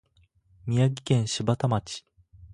宮城県柴田町